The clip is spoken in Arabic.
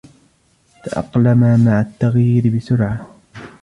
تأقلما مع التغيير بسرعة.